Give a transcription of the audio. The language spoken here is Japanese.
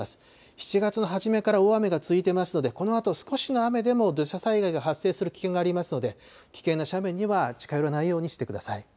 ７月の初めから大雨が続いていますので、このあと少しの雨でも土砂災害が発生する危険がありますので、危険な斜面には近寄らないようにしてください。